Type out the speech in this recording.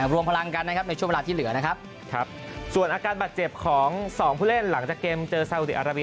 รวมพลังกันนะครับในช่วงเวลาที่เหลือนะครับส่วนอาการบาดเจ็บของสองผู้เล่นหลังจากเกมเจอซาอุดีอาราเบีย